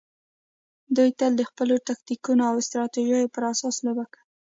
دوی تل د خپلو تکتیکونو او استراتیژیو پر اساس لوبه کوي.